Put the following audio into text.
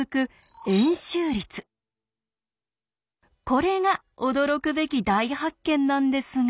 これが驚くべき大発見なんですが。